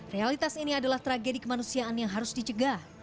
realitas ini adalah tragedi kemanusiaan yang harus dicegah